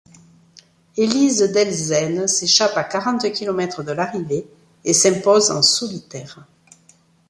Élise Delzenne s'échappe à quarante kilomètres de l'arrivée et s'impose en solitaire.